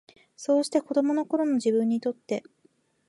そうして、子供の頃の自分にとって、